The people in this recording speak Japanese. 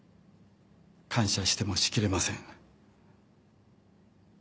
感謝してもしきれません。